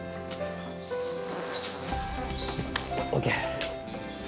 ＯＫ。